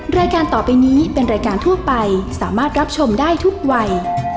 รายการต่อไปนี้เป็นรายการทั่วไปสามารถรับชมได้ทุกวัย